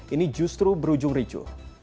ini justru berujung ricu